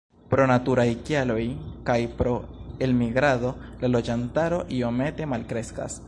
Pro naturaj kialoj kaj pro elmigrado la loĝantaro iomete malkreskas.